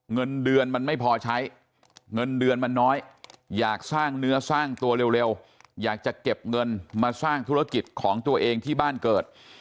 เงินเดือนมันไม่พอใช้เงินเดือนมันน้อยอยากสร้างเนื้อสร้างตัวเร็วอยากจะเก็บเงินมาสร้างธุรกิจของตัวเองที่บ้านเกิด